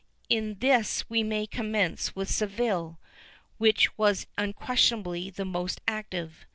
In this w^e may commence with Seville, which was unquestionably the most active.